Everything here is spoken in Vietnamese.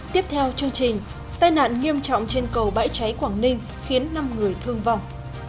tiếp theo chương trình tai nạn nghiêm trọng trên cầu bãi cháy quảng ninh khiến năm người thương vong